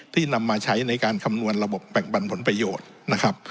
ที่นำมาใช้ในการคำนวณระบบแบ่งบันผลประโยชน์